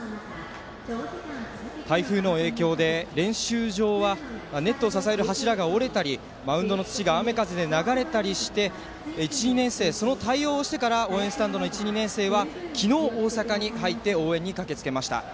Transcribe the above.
台風の影響で、練習場はネットを支える柱が折れたりマウンドの土が雨風で流れたりしてその対応をしてから応援スタンドの１、２年生は昨日、大阪に入り応援に駆けつけました。